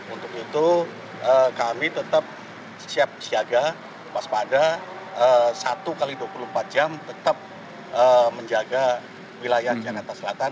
untuk itu kami tetap siap siaga waspada satu x dua puluh empat jam tetap menjaga wilayah jakarta selatan